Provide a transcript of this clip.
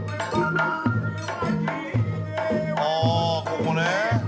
あここね。